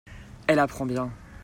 Elle apprend bien.